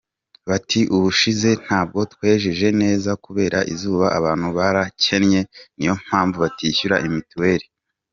Bati “Ubushize ntabwo twejeje neza kubera izuba abantu barakennye niyo mpamvu batishyura mitiweri.